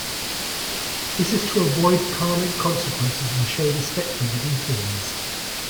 This is to avoid karmic consequences and show respect for living things.